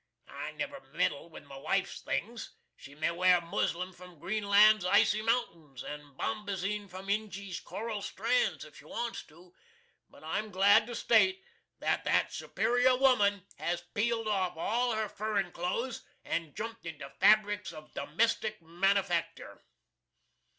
I never meddle with my wife's things. She may wear muslin from Greenland's icy mountains, and bombazeen from Injy's coral strands, if she wants to; but I'm glad to state that that superior woman has peeled off all her furrin clothes and jumpt into fabrics of domestic manufactur.